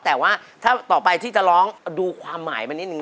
แต่ว่าถ้าต่อไปที่จะร้องดูความหมายมานิดนึ